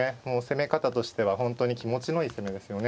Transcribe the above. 攻め方としては本当に気持ちのいい攻めですよね。